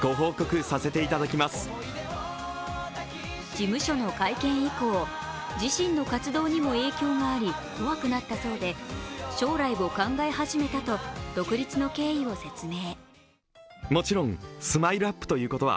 事務所の会見以降、自身の活動にも影響があり怖くなったそうで、将来を考え始めたと独立の経緯を説明。